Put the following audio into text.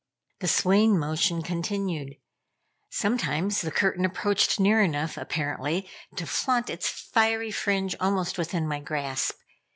The swaying motion continued. Sometimes the curtain approached near enough, apparently, to flaunt its fiery fringe almost within my grasp.